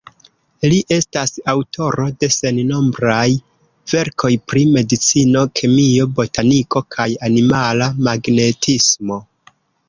Li estas aŭtoro de sennombraj verkoj pri Medicino, Kemio, Botaniko kaj Animala Magnetismo.